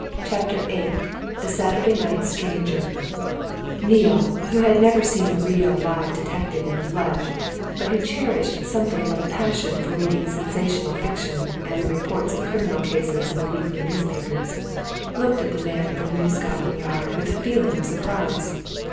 CHAPTER VIII THE SATURDAY NIGHT STRANGER Neale, who had never seen a real, live detective in the flesh, but who cherished something of a passion for reading sensational fiction and the reports of criminal cases in the weekly newspapers, looked at the man from New Scotland Yard with a feeling of surprise.